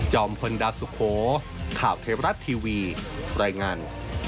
พลดาวสุโขข่าวเทวรัฐทีวีรายงาน